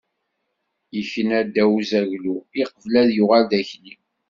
Ikna ddaw n uzaglu, iqbel ad yuɣal d akli.